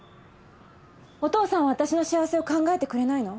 お父さんは私の幸せを考えてくれないの？